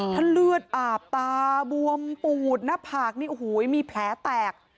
ท่านเลือดอาบตาบวมปูดหน้าผากนี่มีแผลแตก